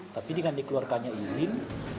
tapi dengan dikeluarkannya izin